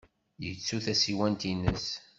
Yettu tasiwant-nnes.